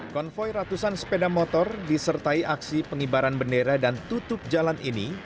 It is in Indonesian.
konvoy ratusan sepeda motor disertai aksi pengibaran bendera dan tutup jalan ini